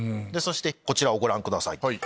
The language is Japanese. こちらをご覧ください。